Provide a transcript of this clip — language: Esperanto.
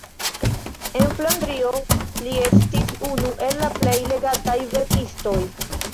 En Flandrio li estis unu el la plej legataj verkistoj.